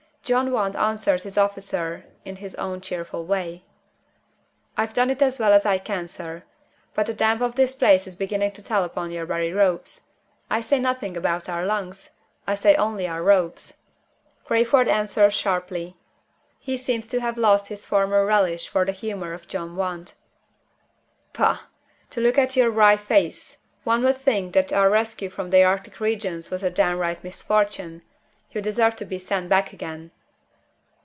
John Want answers his officer in his own cheerful way. "I've done it as well as I can, sir but the damp of this place is beginning to tell upon our very ropes. I say nothing about our lungs I only say our ropes." Crayford answers sharply. He seems to have lost his former relish for the humor of John Want. "Pooh! To look at your wry face, one would think that our rescue from the Arctic regions was a downright misfortune. You deserve to be sent back again."